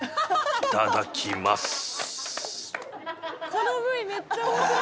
「このＶめっちゃ面白い！」